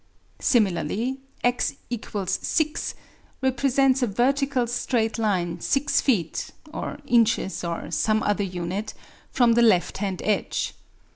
Similarly x = 6 represents a vertical straight line 6 feet (or inches or some other unit) from the left hand edge.